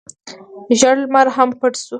ژړ لمر هم پټ شو.